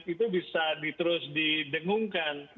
itu bisa terus didengungkan